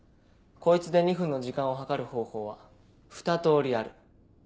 こいつで２分の時間を計る方法はふた通りある。